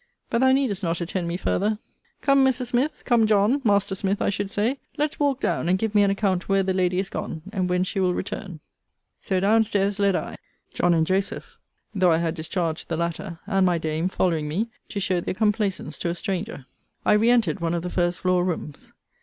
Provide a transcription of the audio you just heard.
But thou needest not attend me farther. Come, Mrs. Smith, come John, (Master Smith I should say,) let's walk down, and give me an account where the lady is gone, and when she will return. So down stairs led I. John and Joseph (though I had discharged the latter,) and my dame, following me, to show their complaisance to a stranger. I re entered one of the first floor rooms.